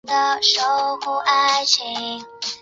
元代属朵甘宣慰司。